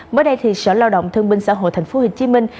mới đây sở lao động thương minh xã hội thành phố hồ chí minh